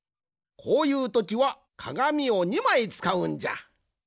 こういうときはかがみを２まいつかうんじゃ。